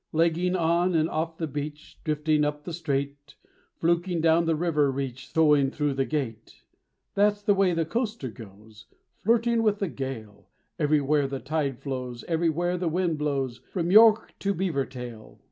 _Legging on and off the beach, Drifting up the strait, Fluking down the river reach, Towing thro' the Gate That's the way the Coaster goes, Flirting with the gale: Everywhere the tide flows, Everywhere the wind blows, From York to Beavertail.